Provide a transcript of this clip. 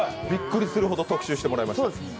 びっくりするほど特集してもらいました。